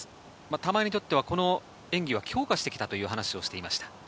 玉井にとってはこの演技は強化してきたという話をしてきました。